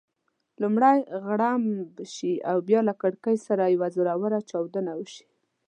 لومړی غړومب شي او بیا له کړېکې سره یوه زوروره چاودنه وشي.